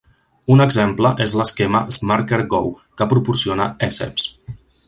Un exemple és l'esquema "Smartcare go" que proporciona Ecebs.